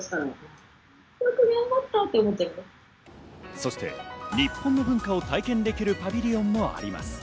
そして日本の文化を体験できるパビリオンもあります。